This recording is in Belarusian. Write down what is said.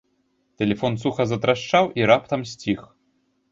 Тэлефон суха затрашчаў і раптам сціх.